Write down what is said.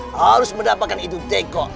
harus mendapatkan itu teko